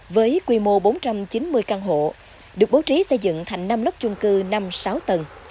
với quy mô bốn trăm chín mươi căn hộ được bố trí xây dựng thành năm lốc chung cư năm sáu tầng